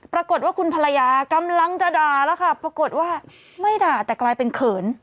ปรากฏว่าคุณภรรยากำลังจะด่าแล้วค่ะปรากฏว่าไม่ด่าแต่กลายเป็นเขิน